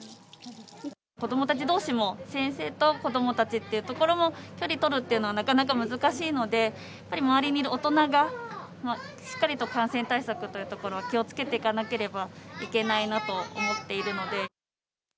子どもたちどうしも先生と子どもたちっていうところも距離取るっていうのはなかなか難しいので、やはり周りにいる大人がしっかりと感染対策というところを気をつけていかなければいけないなと思っているので。